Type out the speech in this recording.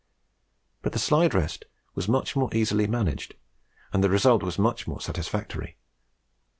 But the slide rest was much more easily managed, and the result was much more satisfactory.